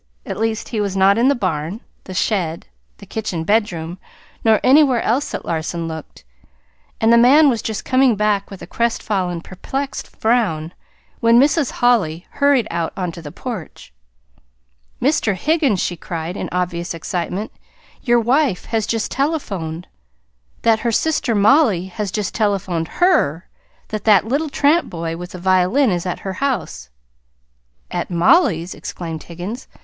At least he was not in the barn, the shed, the kitchen bedroom, nor anywhere else that Larson looked; and the man was just coming back with a crestfallen, perplexed frown, when Mrs. Holly hurried out on to the porch. "Mr. Higgins," she cried, in obvious excitement, "your wife has just telephoned that her sister Mollie has just telephoned HER that that little tramp boy with the violin is at her house." "At Mollie's!" exclaimed Higgins.